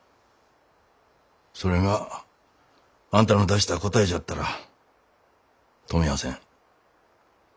それがあんたの出した答えじゃったら止みゃあせん。